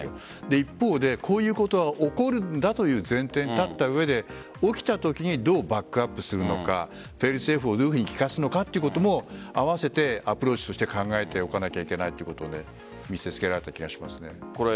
一方でこういうことが起こるんだという前提に立った上で起きたときにどうバックアップするのかどういうふうに効かせるのかというのも併せてアプローチとして考えておかなければいけないということで見せつけられた気がしますね。